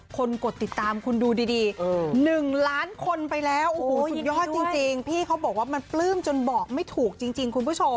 กดติดตามคุณดูดี๑ล้านคนไปแล้วโอ้โหสุดยอดจริงพี่เขาบอกว่ามันปลื้มจนบอกไม่ถูกจริงคุณผู้ชม